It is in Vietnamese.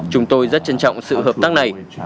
chúng tôi rất trân trọng sự hợp tác này